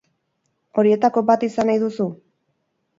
Horietako bat izan nahi duzu?